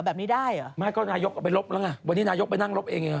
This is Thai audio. แบบนี้ได้เหรอไม่ก็นายกเอาไปลบแล้วไงวันนี้นายกไปนั่งลบเองยังไง